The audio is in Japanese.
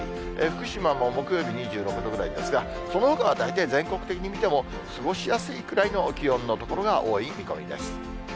福島も木曜日２６度ぐらいですが、そのほかは大体全国的に見ても、過ごしやすいくらいの気温の所が多い見込みです。